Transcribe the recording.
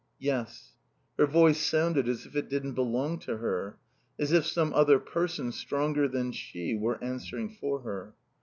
"Yes." Her voice sounded as if it didn't belong to her. As if some other person stronger than she, were answering for her.